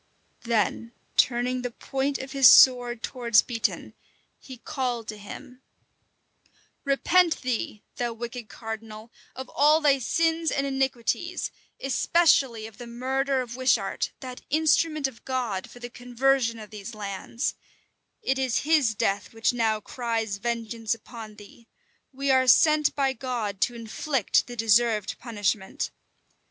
Then turning the point of his sword towards Beatoun, he called to him, "Repent thee, thou wicked cardinal, of all thy sins and iniquities, especially of the murder of Wishart, that instrument of God for the conversion of these lands: it is his death which now cries vengeance upon thee: we are sent by God to inflict the deserved punishment.